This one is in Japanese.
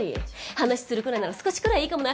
「話するくらいなら少しくらいいいかもな」。